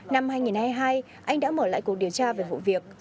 năm hai nghìn hai mươi hai anh đã mở lại cuộc điều tra về vụ việc